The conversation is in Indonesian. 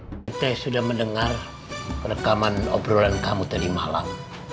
kita sudah mendengar rekaman obrolan kamu tadi malam